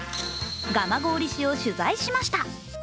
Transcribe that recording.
蒲郡市を取材しました。